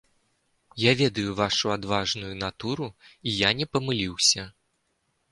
Я ведаю вашу адважную натуру, і я не памыліўся.